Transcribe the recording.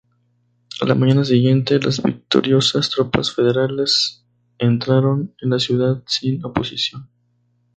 A la mañana siguiente, las victoriosas tropas federales entraron en la ciudad sin oposición.